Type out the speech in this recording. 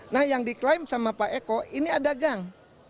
nah yang diklaim sama pak eko ini ada gang